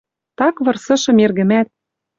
Так вырсышым эргӹмӓт.